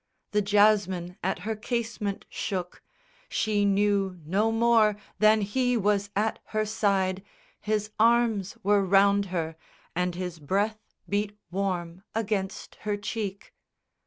_ The jasmine at her casement shook, She knew no more than he was at her side, His arms were round her, and his breath beat warm Against her cheek.